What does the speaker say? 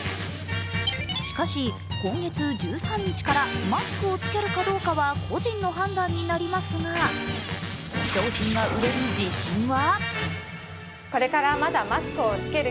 しかし、今月１３日からマスクを着けるかどうかは個人の判断になりますが、商品が売れる自信は？